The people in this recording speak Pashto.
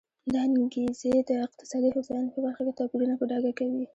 دا انګېزې د اقتصادي هوساینې په برخه کې توپیرونه په ډاګه کوي.